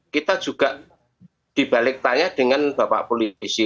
kita juga dibalik tanya dengan bapak polisi